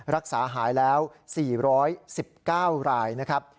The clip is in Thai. รักษาหายแล้ว๔๑๙รายนะครับ